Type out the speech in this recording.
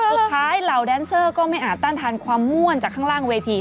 เหล่าแดนเซอร์ก็ไม่อาจต้านทานความม่วนจากข้างล่างเวที